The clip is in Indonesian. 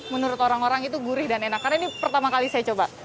menurut orang orang itu gurih dan enak karena ini pertama kali saya coba